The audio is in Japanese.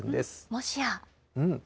もしや？